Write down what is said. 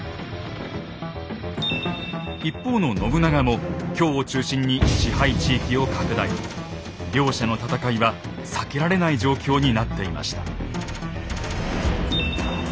一方の信長も京を中心に支配地域を拡大。両者の戦いは避けられない状況になっていました。